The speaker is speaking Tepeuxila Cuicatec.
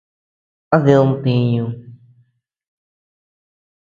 ¿A did ntiñu?